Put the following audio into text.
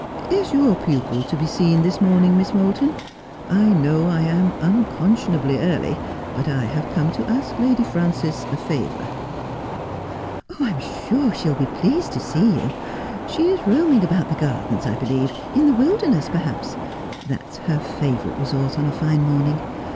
Is your pupil to be seen this morning, Miss Moulton 1 I know I am unconscionably early, but I have come to ask Lady Frances a favour.' ' I am sure she will be pleased to see you. She is roaming about the gardens, I believe — in the wilderness, perhaps. That is her favourite resort on a fine morning.